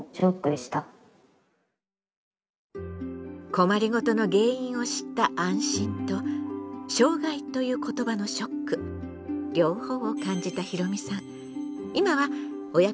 困り事の原因を知った安心と「障害」という言葉のショック両方を感じたひろみさん。